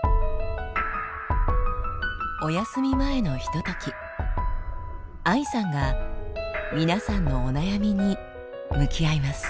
おやすみ前のひとときＡＩさんが皆さんのお悩みに向き合います。